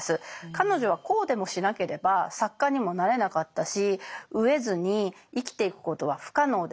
彼女はこうでもしなければ作家にもなれなかったし飢えずに生きていくことは不可能でした。